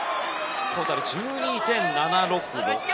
トータル１２．７６６。